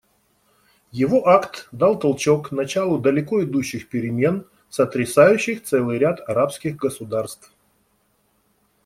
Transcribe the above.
Его акт дал толчок началу далеко идущих перемен, сотрясающих целый ряд арабских государств.